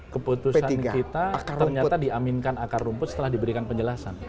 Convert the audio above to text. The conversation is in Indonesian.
keputusan kita ternyata diaminkan akar rumput setelah diberikan penjelasan